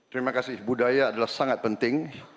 terima kasih budaya adalah sangat penting